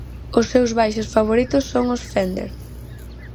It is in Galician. Os seus baixos favoritos son os Fender.